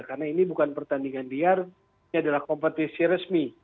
karena ini bukan pertandingan liar ini adalah kompetisi resmi